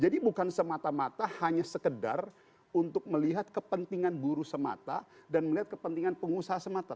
jadi bukan semata mata hanya sekedar untuk melihat kepentingan buruh semata dan melihat kepentingan pengusaha semata